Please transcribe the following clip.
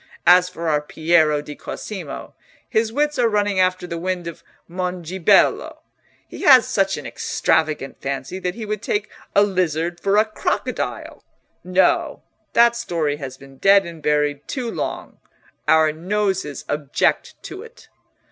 As for our Piero di Cosimo, his wits are running after the wind of Mongibello: he has such an extravagant fancy that he would take a lizard for a crocodile. No: that story has been dead and buried too long—our noses object to it."